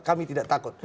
kami tidak takut